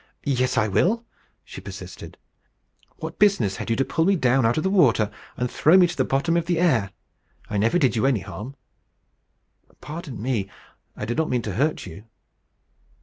"Yes, I will," she persisted. "What business had you to pull me down out of the water, and throw me to the bottom of the air? I never did you any harm." "Pardon me. I did not mean to hurt you."